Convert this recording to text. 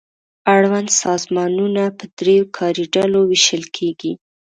اړوند سازمانونه په دریو کاري ډلو وېشل کیږي.